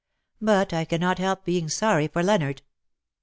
But I cannot help being sorry for Leonard."